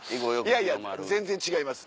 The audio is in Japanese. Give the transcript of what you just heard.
いやいや全然違います。